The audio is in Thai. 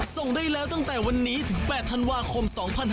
ส่งได้แล้วตั้งแต่วันนี้ถึง๘ธันวาคม๒๕๖๒